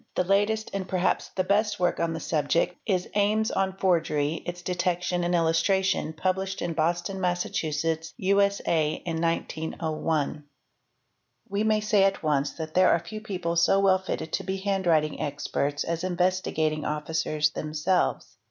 The latest and perhaps the best work on the subject is '' Ames on Forgery, its Detection and Illustration," wublished at Boston, Mass., U.S.A. in 1901. i? We may say at once that there are few people so well fitted to be handwriting experts as Investigating Officers themselves.